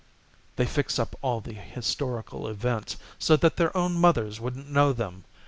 They fix up all the historical events So that their own mothers wouldn't know them.